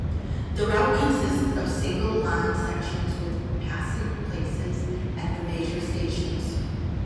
The route consists of single line sections with passing places at the major stations.